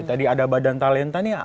tadi ada badan talenta nih